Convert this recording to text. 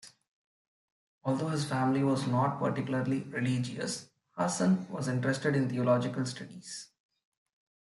Although his family was not particularly religious, Hassan was interested in theological studies.